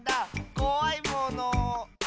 こわいもの。